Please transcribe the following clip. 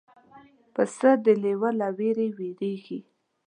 پسه د لیوه له وېرې وېرېږي.